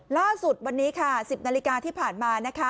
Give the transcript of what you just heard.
ล่าสุดวันนี้ค่ะ๑๐นาฬิกาที่ผ่านมานะคะ